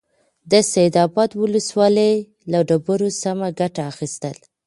د سيدآباد ولسوالۍ له ډبرو سمه گټه اخيستل: